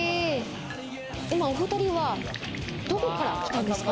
お２人はどこから来たんですか？